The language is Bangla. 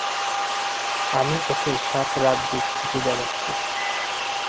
আমি ওকে সাতরাজ্যি খুঁজে বেড়াচ্ছি।